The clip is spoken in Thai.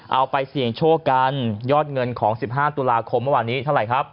เอาไปเสี่ยงโชคกันยอดเงินของ๑๕ตุลาคมเมื่อวานนี้เท่าไหร่ครับ